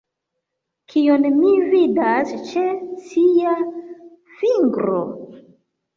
Kion mi vidas ĉe cia fingro?